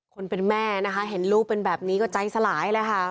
คนเป็นแม่นะคะเห็นลูกเป็นแบบนี้ก็ใจสลายเลยค่ะ